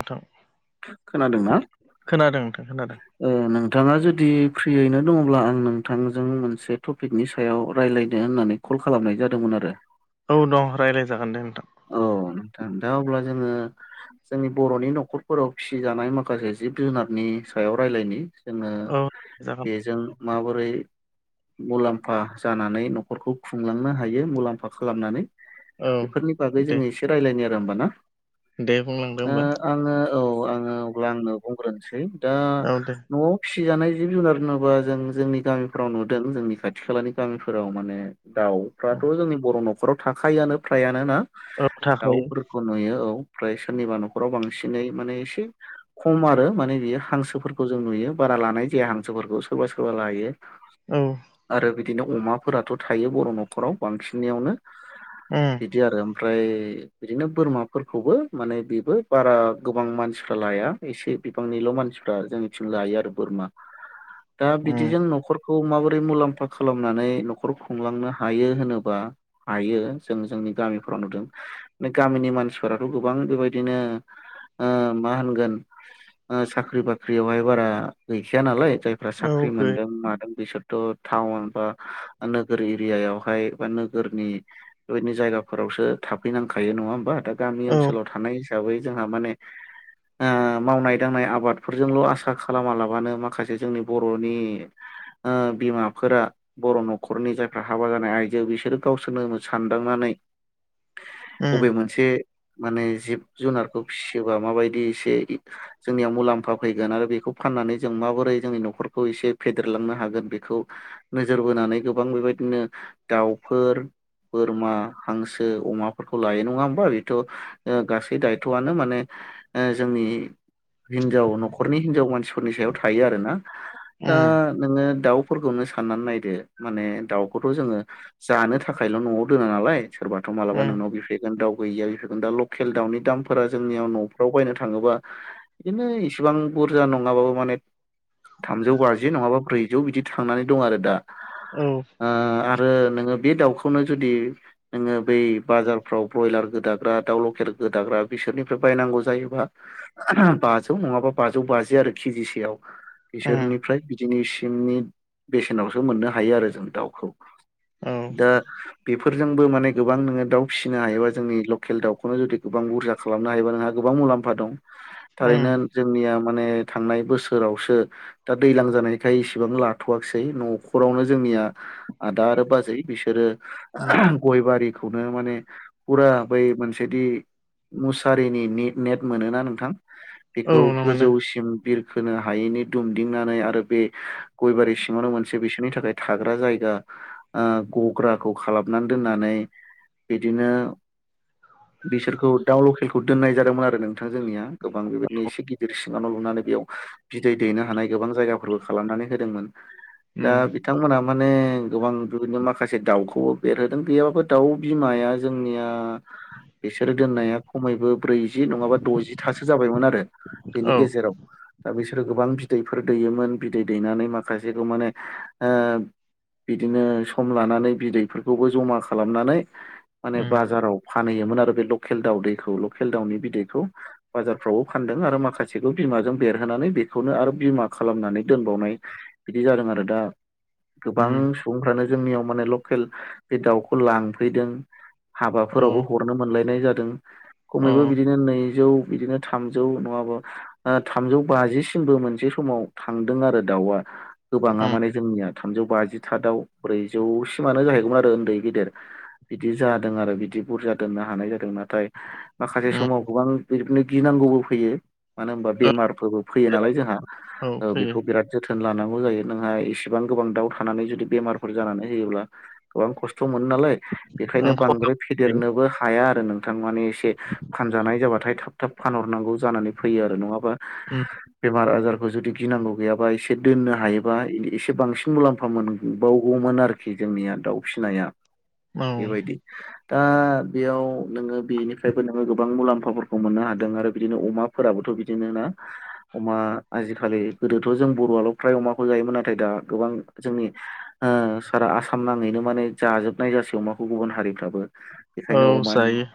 नोंथां खोनादोंना खोनादों नोंथां खोनादों ओ नोंथांआ जुदि फ्रियैनो दंङब्ला आं नोंथांजों मोनसे टपिकनि सायाव रायज्लायनो होननानै कल खालामनाय जादोंमोन आरो औ दं रायज्लायजागोन दे नोंथां औ औ नोंथां दा अब्ला जोंओ जोंनि बर'नि न'खरफोराव फिसि जानाय माखासे जिब जुनारनि बिनि सायाव रायज्लायनि जोंओ औ जागोन बेजों माबोरै मुलाम्फा जानानै न'खरखौ खुंलांनो हायो मुलाम्फा खालामनानै औ बेफोरनि बागै दे जोंओ एसे रायलायनि आरो होमबा ना दे बुंलांदो ओ होमबा आङो औ आङो अब्ला आंनो बुंग्रोनोसै दा औ दे न'आव फिसि जानाय जिब जुनार होनोबा जों जोंनि गामिफोराव नुदों जोंनि खाथि खालानि गामिफोराव माने दाउफ्राथ' जोंनि बर' न'खराव थाखायोआनो फ्रायानो ना औ थाखायो दाउफोरखौ नुयो औ। ओमफ्राय सोरनिबा न'खराव बांसिनै माने एसे खम आरो माने बियो हांसोफोरखौ जों नुयो बारा लानाय जाया हांसोफोरखौ सोरबा सोरबा लायो। औ आरो बिदिनो अमाफोराथ' थायो बर' न'खराव बांसिन निआवनो उम बिदि आरो ओमफ्राय बिदिनो बोरमाफोरखौबो माने बेबो बारा गोबां मानसिफ्रा लाया एसे बिबांनिल' मानसिफ्रा जोंनिथिं लायो आरो बोरमा दा उम बिदिजों न'खर खौ माबोरै मुलाम्फा खालामनानै न'खर खुंलांनो हायो होनोबा हायो जों जोंनि गामि फोराव नुदों गामिनि मानसिफोराथ' गोबां बेबायदिनो ओ मा होनगोन साख्रि बाख्रियावहाय बारा गैखाया नालाय जायफ्रा औ साख्रि गो मोनदों मादों बेसोर दाथ' टाउन बा नोगोर एरियाआवहाय बा नोगोरनि बेबायदिनो जायगा फोरावसो थाफैनांखायो नङा होमबा दा गामि औ ओनसोलाव थानाय हिसाबै जोंहा माने ओ मावनाय दांनाय आबादफोरजोंल' आसा खालामालाबानो माखासे जोंनि बर'नि ओ बिमाफोरा बर' न'खरनि जायफ्रा हाबा जानाय आइजो बिसोरो गावसोरनो सानदांनानै उम अबे मोनसे माने जिब जुनारखौ फिसियोबा माबायदि एसे जोंनियाव मुलाम्फा फैगोन आरो बेखौ फाननानै जों माबोरै जोंनि न'खरखौ एसे फेदेरलांनो हागोन बेखौ नोजोर बोनानै गोबां बेबायदि नों दिनो दाउफोर बोरमा हांसो अमाफोरखौ लायो नङा होमबा बेथ ओ गासै दायथ'आनो माने ओ जों नि हिनजाव न'खरनि हिनजाव मानसिफोरनि सायाव थायो आरो ना। दा उम नोङो दाउ फोरखौनो साननानै नायदो माने दाउखौथ जोङो जानो थाखायल न'आव दोना नालाय सोरबाथ मालाबा उम औ नोंनाव बिफैगोन दाव गैयिया बिफो दा लकेल दाउनि दामफोरा जोंनियाव न'फ्राव बायनो थाङोबा बिदिनो इसिबां बुरजा नङा नङाबाबो माने थामजौ बाजि नङाबा ब्रैजौ बिदि थांनानै दं आरो दा। उम औ ओ आरो नोङो बे दाउखौनो जुदि नोङो बै बाजारफ्राव ब्रयलार गोदाग्रा दाउ लकेल गोदाग्रा बिसोरनिफ्राय बायनांगौ जायोबा बाजौ नङाबा बाजौ बाजि आरो केजिसेयाव। बिसोरनिफ्राय बिदिनि सिंनि बेसेनावसो मोननो हायो आरो जों दाउखौ। उम दा बिफो जोंबो माने गोबां नोङो दाउ फिसिनो हायोबा जोंनि लकेल दाउखौनो जुदि गोबां बुरजा खालामनो हायोबा नोंहा गोबां मुलाम्फा दं। थारैनो जोंनिया माने थांनाय बोसोरावसो दा दैलां जानायखाय इसेबां लाथवाखिसै न'खरावनो जों निया आदा आरो बाजै बिसोरो गय बारिखौनो माने फुरा बै मोनसेदि मुसारिनि निट नेट मोनोना नोंथां औ बेखौ नुनो मोनो गोजौसिन बिरखोनो हायैनि दुमदिंनानै आरो बे गयबारि सिङावनो मोनसे बिसोरनि थाखाय थाग्रा जायगा ओ गग्राखौ खालामनानै दोननानै बिदिनो बिसोरखौ दाउ लकेलखौ दोननाय जादोंमोन आरो नोंथां जोंनिया गोबां बेबायदिनो एसे गिदिर सिङाव लुनानै नै बेयाव बिदै दैनो हानाय गोबां जायगाफोरबो खालामनानै होदोंमोन। दा उम बिथांमोना माने गोबां बिबायदिनो माखासे दाउखौ बेरहोदों गैयाबाबो दाउ बिमाया जोंनिया बिसोरो दोननाया खमायबो ब्रैजि नङाबा द'जिथासो जाबायमोन आरो। बिनि औ गेजेराव दा बिसोरो गोबां बिदैफोर दैयोमोन बिदै दैनानै माखासेखौ माने बिदिनो सम लानानै बिदैफोरखौबो जमा खालामनानै माने उम बाजाराव फानहैयोमोन आरो बे लकेल दाउ दैखौ लकेल दाउनि बिदैखौ बाजारफ्रावबो फानदों आरो माखासेखौ बिमाजों बेरहोनानै बेखौनो आरो बिमा खालामनानै दोनबावनाय बिदि जादों आरो दा गोबां उम सुबुंफ्रानो जोंनियाव माने लकेल बे दाउखौ लांफैदों औ हाबाफोरावबो हरनो मोनलायनाय जादों। औ खमैबो बिदिनो नैजौ बिदिनो थामजौ नङाबा थामजौ बाजिसिमबो मोनसे समाव थांदों आरो दाउआ। गोबाङा उम माने जोंनिया थामजौ बाजिथादआव ब्रैजौसिमानो जाहैगौमोन आरो उन्दै गेदेर। बिदि जादों आरो बिदि बुरजा दोननो हानाय जादों नाथाय माखासे समाव गोबां बिनो गिनांगौ नांगौबो फैयो मानो होनबा औ बेमारफोरबो फैयो नालाय जोंहा। औ ओ फैयो बेखौ बिराद जोथोन लानांगौ जायो। नोंहा इसिबां गोबां दाउ थानानै जुदि बेमारफोर जानानै होयोब्ला गोबां खस्थ' मोनो नालाय बेखायनो ओं खना बांद्राय फेदेरनोबो हाया आरो नों थां माने एसे फानजानाय जाबाथाय थाब थाब फानहरनांगौ जानानै फैयो आरो नङाबा उम मार आजारखौ जुदि गिनांगौ गैयाबा एसे दोननो हायोबा एसे बांसिन मुलाम्फा मोनबावगौमोन आरोखि जोंनिया दाउ फिसिनाया औ बेबायदि दा बेयाव नोङो बेनिफ्रायबो नोङो गोबां मुलाम्फाफोरखौ मोननो हादों आरो बिदिनो अमा फोराबोथ बिदिनो ना अमा आजिखालि गोदोथ' जों बर'आल फ्राय अमाखौ जायोमोन नाथाय दा बा गोबां जोंनि ओ सारा आसाम नाङैनो माने जाजोबनाय जासै अमाखौ गुबुन हारिफ्राबो औ बेखायनो अमानि जायो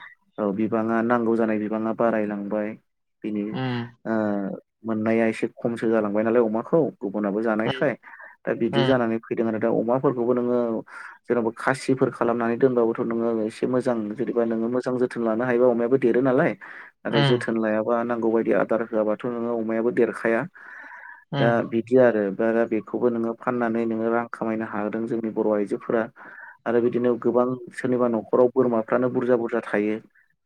औ बि बिबाङा नांगौ जानाय बिबाङा बारायलांबाय बिनि उम आ मोननाया एसे खमसो जालांबाय नालाय अमाखौ गुबुनाबो जानायखाय दा उम बिदि जानानै फै दों आरो दा अमाफोरखौबो नोङो जेनेवबा खासिफोर खालामनानै दोनबाबोथ नोङो एसे मोजां जेनदिबा नोङो मोजां जोथोन लानो हायोबा अमायाबो देरो नालाय आरो उम जोथोन लायाबा नांगौ बायदि आदार होआबाथ नोङो अमायाबो देरखाया। दा उम बिदि आरो दा बेखौबो नोङो फाननानै नोङो रां खामायनो हादों जोंनि बर' आइजोफोरा। आरो बिदिनो गोबां सोरनिबा न'खराव बोरमाफ्रानो बुरजा बुरजा थायो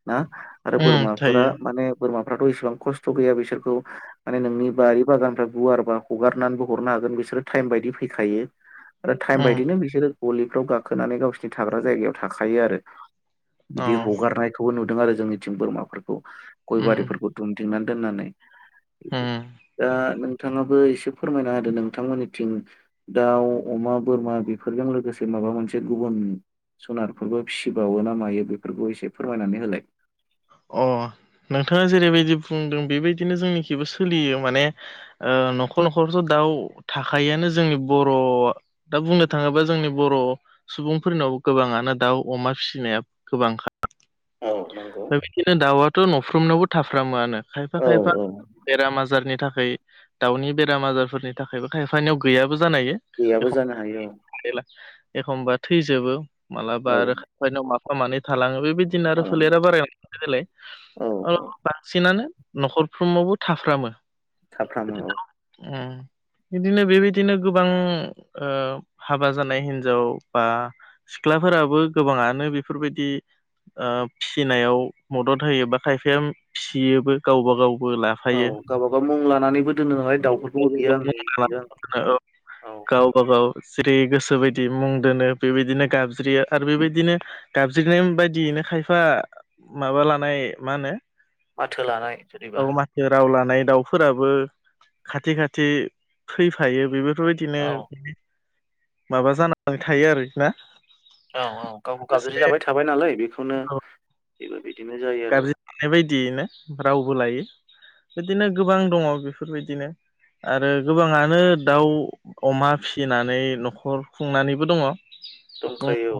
ना आरो उम बोरमाफोरा थायो माने बोरमा फ्राथ' इसेबां खस्थ गैया बिसोरखौ माने नोंनि बारि बागाननिफ्राय गुवारबा हगारनानैबो हरनो हागोन बिसोरो टाइम बायदि फैखायो। आरो टाइम उम बायदिनो बिसोरो गलिफ्राव गाखोनानै गावसिोरनि थाग्रा जायगायाव थाखायो आरो। अ बिदि हगारनायखौबो नुदों आरो जोंनिथिं बोरमाफोरखौ उम गयबारिफोरखौ दुमदिंनानै दोननानै उम दा थाङाबो एसे फोरमायना होदों नोंथांमोननिथिं दाउ अमा बोरमा बेफोरजों लोगोसे माबा मोनसे गुबुन सुनारफोरबो फिसिबावो ना मायो बेफोरखौ एसे फोरमायनानै होलाय? अ नोंथाङा जेरैबायदि बुंदों बेबायदिनो जोंनिखिबो सोलियो माने न'खर न'खरथ दाउ थाखायआानो जोंनि बर'आ दा बुंनो थाङोबा जोंनि बर' सुबुंफोरनाव गोबाङानो दाउ अमा फिसिनाया गोबांखा [inaudible] नंगौ दा बिदिनो दाउआथ न'फ्रोमनायावबो थाफ्रामोआनो। खायफा औ खायफा औ बेराम आजारनि थाखा खै दाउनि बेराम आजारफोरनि थाखायबो थायफानियाव गैया बो जानो हायो गैयाबो जानो हायो एखमबा थैजोबो मालाबा औ आरो खायफानाव माफा मानै थलाङो बेबायदिनो आरो फोलेरा खालामो बाराय थायो नालाय औ औ बांसिनानो न'खरफ्रोमावबो थाफ्रामो। थाफ्रामो औ उम बिदिनो बेबायदिनो गोबां हाबा जानाय हिन्जाव बा सिख्लाफोराबो गोबाङानो बेफोरबायदि आब फिसिनायाव मदद होयोबा खायफाया फिसियोबो गावबा गाव बो औ लाफायो गावबागाव मुं लानानैबो दोनो नालाय दाउफोरखौबो बियो आंनि बियो आंनि [unintelligible] औ गावबा गाव जेरै गोसो बायदि मुं दोनो बेबायदिनो गाबज्रियो आरो बेबायदिनो गाबज्रिनाय बायदियैनो खाय माबा लानाय मा होनो माथो लानाय जेनेबा ओ मानसिनि राव लानाय दाउफोराबो खाथि खाथि फैफायो बेफोरबायदिनो औ माबा जानानै थायो आरोखि ना औ औ गावबो गाबज्रि जाबाय थाबाय नालाय बेखौनो बेबो बिदि गाबज्रिनाय बायदियैनो रावबो लायो। बिदिनो गोबां दङ बेफोरबायदिनो। आरो गोबाङानो दाउ अमा फिसिनानै न'खर खुंनानैबो दङ। दंखायो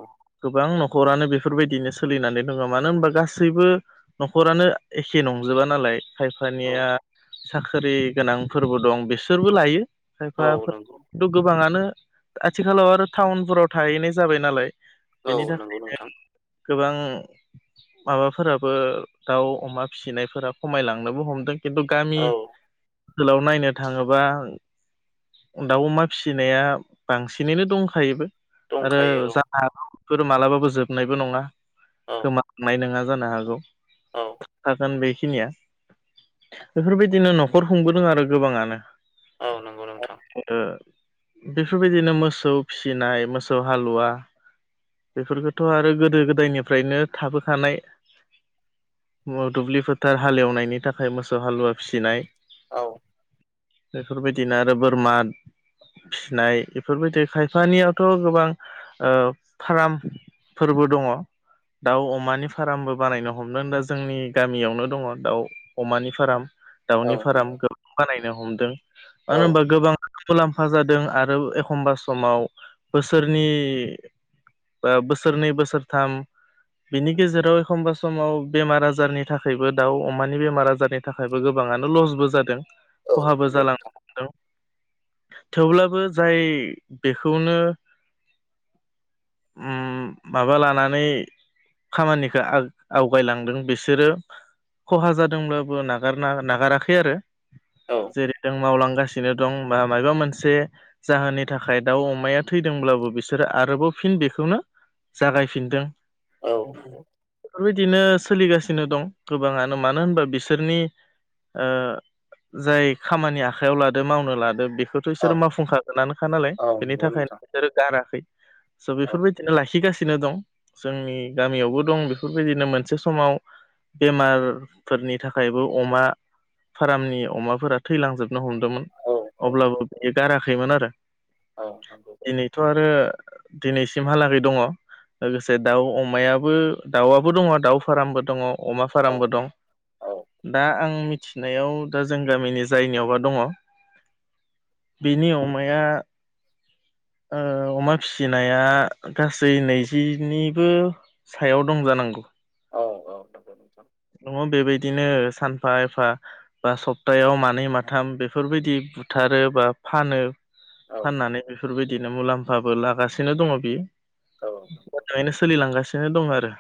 गोबां न'खरानो बेफोरबायदिनो सोलिनानै दङ मानो होनबा गासैबो न'खरानो एखे नंजोबा नालाय औ खायफानिया साखिरि गोनांफोरबो दं बिसोरबो लायो औ औ खायफाफोर नंगौ थ गोबाङानो आथिखालाव आरो टाउनफोराव थाहैनाय जाबाय नालाय औ बेनि थाखाय नंगौ नोंथां। गोबां माबाफोराबो दाउ अमा फिसिनायफोरा खमायलांनोबो हमदों। खिन्थु गामि औ ओनसोलाव नायनो थाङोबा दाउ अमा फिसिनाया बांसिनैनो दंखायोबो। आरो दंखायो जानो हागौ बेफोर मालाबाबो जोबनायबो नङा औ गोमांनाय नङा जानो हागौ औ [unintelligible] निया बेफोरबायदिनो न'खर खुंबोदों आरो गोबाङानो औ नंगौ नोंथां [unintelligible] बेफोरबायदिनो मोसौ फिसिनाय मोसौ हालुवा बेफोरखौथ' आरो गोदो गोदायनिफ्रायनो थाबोखानाय दुब्लि फोथार हालेवनायनि थाखाय मोसौ हालुवा फिसिनाय औ बेफोरबायदिनो आरो बोरमा फिनाय बेफोरबायदि खायफानियावथ' गोबां फार्म फोरबो दङ दाउ अमानि फार्मबो बानायनो हमदों दा जोंनि गामियावनो दङ दाउ अमानि फार्म औ दाउनि फार्म गोबां बानायनो हमदों औ मानो होनबा गोबां मुलाम्फा जादों आरो एखमबा समाव बोसोरनि बोसोरनै बोसोरथाम बिनि गेजेराव एखमबा समाव बेमार आजारनि थाखायबो दाउ अमानि बेमार आजारनि थाखायबो गोबाङानो लस जादों औ खहाबो नंगौ नोंथां जालांनो हमदों। थेवब्लाबो जाय बेखौनो उम माबा लानानै खामानिखौ आग- आवगायलांदों बिसोरो खहा जादोंब्लाबो नागारना नागाराखै आरो औ जेरै जों मावलां गासिनो दं बा माबा मोनसे जाहोननि थाखाय दाउ अमाया थैदोंब्लाबो बिसोरो आरोबाव फिन बेखौनो जागायफिनदों। औ बेफोरबायदिनो सोलिगासिनो दं गोबाङानो मानो होनबा बिसोरनि ओ जाय खामानि आखाइायाव लादो मावनो लादो बे बेखौथ' औ बिसोर मावफुंखागोनानोखा नालाय औ बेनि औ नंगौ नोंथां थाखायनो बिसोरो गाराखै। स' औ बेफोरबायदिनो लाखिगासिनो दं जोंनि गामियावबो दं बेफोरबायदिनो मोनसे समाव बेमारफोरनि थाखायबो अमा फार्मनि अमाफोरा थैलांजोब नो हमदोंमोन औ औ अब्लाबो बेयो गाराखैमोन आरो औ नंगौ। दिनैसिमहालाै दङ लोगोसे दाउ अमायाबो दाउआबो दङ दाउ फार्मबो दङ अमा औ फार्मबो दं औ दा आं मिथि मिथिनायाव दा जों गामिनि जायनियावबा दङ बिनि अमाया ओ अमा फिसिनाया गासै नैजिनिबो सायाव दं जानांगौ। औ औ नंगौ नोंथां दङो बेबायदिनो सानफा एफा बा सप्तायाव मानै माथाम बेफोरबायदि बुथारो बा फानो औ फाननानै बेफोरबायदिनो मुलाम्फाबो लागासिनो दङ बियो। औ मोजाङैनो सोलिलांगासिनो दं आरो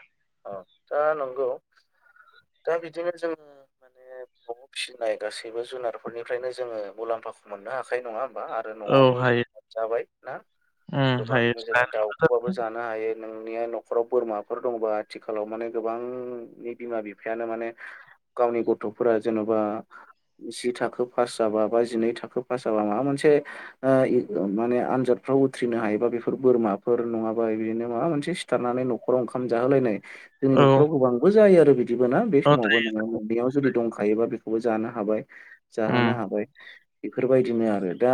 अ दा नंगौ दा बिदिनो जों माने न'आव फिसिनाय गासैबो जुनारफोरनिफ्रायनो जोङो मुलाम्फाखौ मोननो हाखायो नङा होम -बा आरो औ न'आवबो हायो जों जाबाय ना उम गोबां हायो जोङो दाउखोबाबो जानो हायो। नोंनिया न'खराव बोरमाफोर दंङोबा। आथिखालाव माने गोबांनि बिमा बिफायानो माने गावनि गथ'फोरा जेन'बा जि थाखो पास जाबा बा जिनै थाखो पास जाबा माबा मोनसे माने आनजाद फ्राव उथ्रिनो हायोबा बेफोर बोरमाफोर नङाबा बिदिनो माबा मोनसे सिथारनानै न'खराव ओंखाम जाहोलायनाय जोंनि औ न'खराव गोबांबो जायो आरो बिदिबो ना बे औ समावबो नोङो नोंनियाव जुदि दंखा गायोबा बेखौबो जानो हाबाय उम जाहोनो हाबाय बेफोरबायदिनो आरो दा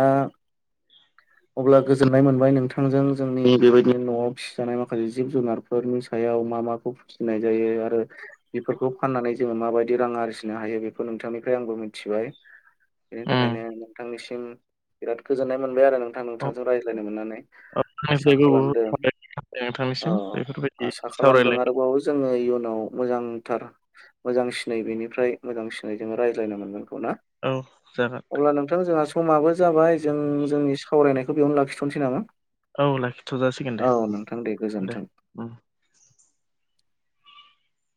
[inaudible] अब्ला गोजोननाय मोनबाय नोंथांजों जोंनि बेबायदि न'आव फिसिजानाय माखासे जिब जुनारफोरनि सायाव मा मा फिनाय जायो आरो बेफोरखौ फाननानै जोङो माबायदि रां आरजिनो हायो बेखौ नोंथांनिफ्राय आंबो मिथिबाय बिनि उम थाखायनो नोंथांनिसिम बिराद गोजोननाय मोनबाय आरो नोंथां औ नोंथांजों रायज्लायनो मोननानै औ आसा आंनिफ्रायबो बहुद खालामदों साबायखर नोंथांनिसिम बेफोरबायदि सावराय जों आरोबाव जोङो इयुनाव मोजांथार मोजां सिनाय बेनिफ्राय मोजां सिनाय जोङो रायज्लायनो मोनगोन ‌। [unintelligible] औ जागोन अब्ला नोंथां जोंहा स समाबो जाबाय जों जोंनि सावरायनायखौ बेयावनो लाखिथ'नोसै नामा? औ लाखिथ' जासिगोन दे औ नोंथां दे गोजोनथों।